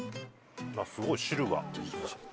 すごい汁が。